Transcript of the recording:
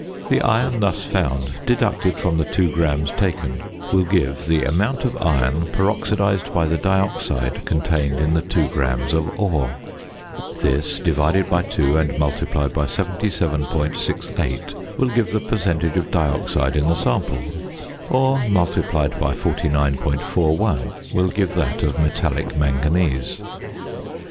The iron thus found, deducted from the 2 grams taken, will give the amount of iron peroxidised by the dioxide contained in the 2 grams of ore. This divided by 2 and multiplied by 77.68 will give the percentage of dioxide in the sample, or multiplied by 49.41 will give that of metallic manganese.